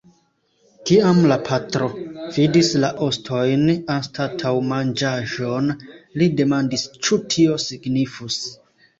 Kiam la patro vidis la ostojn anstataŭ manĝaĵon, li demandis ĉu tio signifus.